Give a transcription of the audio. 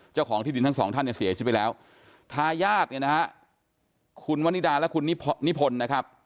เจ้าของที่ดินทั้งสองท่านเนี่ยเสียชีวิตไปแล้วทายาทเนี่ยนะฮะคุณวันนิดาและคุณนิพนธ์นะครับ